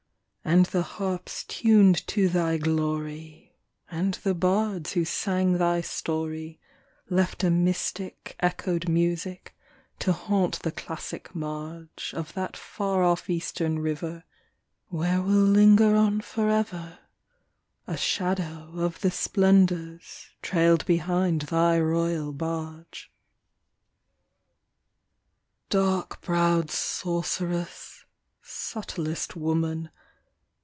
And the harps tuned to thy glory, And the bards who sang thy story, Left a mystic echoed music to haunt the classic marge Of that far off Eastern river. Where will linger on forever A shadow of the splendors trailed behind thy royal barge. Dark browed sorceress ! subtlest woman.